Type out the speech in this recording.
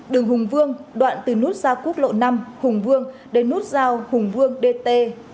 đường hùng vương đoạn từ nút giao quốc lộ năm hùng vương đến nút giao hùng vương dt ba trăm năm mươi một